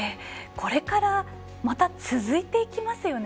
これからまた続いていきますよね